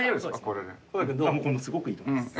これすごくいいと思います。